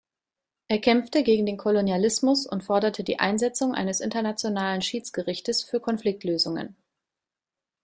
Er kämpfte gegen den Kolonialismus und forderte die Einsetzung eines Internationalen Schiedsgerichtes für Konfliktlösungen.